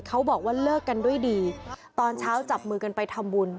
เขาบอกว่าเลิกกันด้วยดีตอนเช้าจับมือกันไปทำบุญ